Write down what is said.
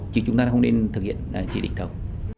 chứ chúng ta không nên thực hiện chỉ định thầu